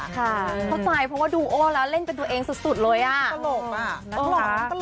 เข้าใจเพราะว่าดูโอ้แล้วเล่นไปดูเองสุดเลยอะ